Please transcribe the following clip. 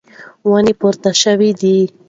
ونې پرې شوې دي.